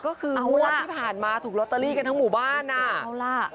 ก็คือมวดที่ผ่านมาถูกรอตเตอรี่กันทั้งหมู่บ้านนะแล้วที่สำคัญเอาล่ะ